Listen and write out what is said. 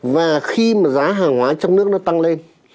và khi mà giá hàng hóa trong nước nó tăng lên